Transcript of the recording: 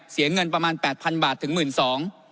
เสียเงินประมาณ๘๐๐๐บาทถึง๑๒๐๐๐